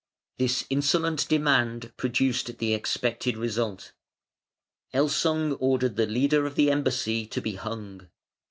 This insolent demand produced the expected result. Elsung ordered the leader of the embassy to be hung.